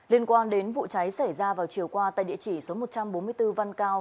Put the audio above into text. liên quan đến vụ cháy xảy ra vào chiều qua tại địa chỉ số một trăm bốn mươi bốn văn cao